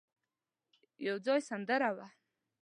يو ځای سندره وه.